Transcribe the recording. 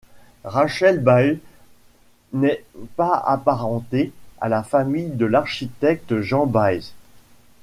Rachel Baes, n'est pas apparentée à la famille de l'architecte Jean Baes.